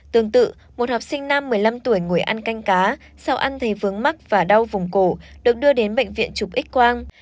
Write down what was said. tương tự một học sinh nam một mươi năm tuổi ngồi ăn canh cá sau ăn thấy vướng mắc và đau vùng cổ được đưa đến bệnh viện chụp x quang